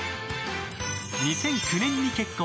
２００９年に結婚。